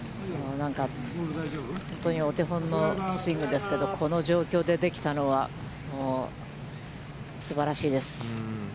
本当にお手本のスイングですけれども、この状況でできたのは、すばらしいです。